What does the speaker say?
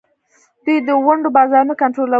دوی د ونډو بازارونه کنټرولوي.